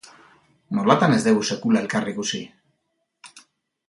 Nolatan ez dugu sekula elkar ikusi?